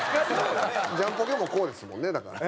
ジャンポケもこうですもんねだから。